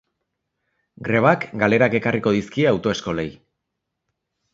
Grebak galerak ekarri dizkie autoeskolei.